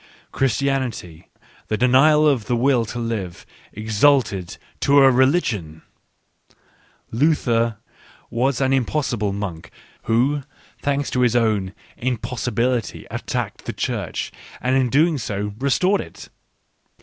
Christianity, the Denial of the Will to Live, exalted to a religion ! Luther was an im possible monk who, thanks to his own " impossi bility," attacked the Church, and in so doing restored it